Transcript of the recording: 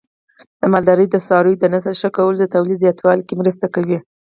د مالدارۍ د څارویو د نسل ښه کول د تولید زیاتوالي کې مرسته کوي.